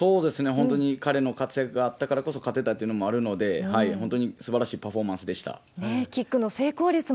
本当に彼の活躍があったからこそ勝てたというのもあるので、本当にすばらしいパフォーマンスでした。